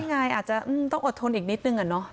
ไงอาจจะต้องอดทนอีกนิดนึงอะเนาะ